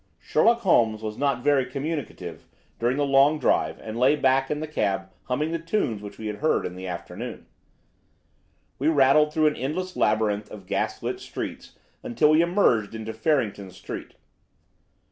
Sherlock Holmes was not very communicative during the long drive and lay back in the cab humming the tunes which he had heard in the afternoon. We rattled through an endless labyrinth of gas lit streets until we emerged into Farrington Street.